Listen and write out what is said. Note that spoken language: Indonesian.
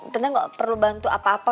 ternyata gak perlu bantu apa apa